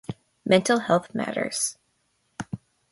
Mental Health Matters.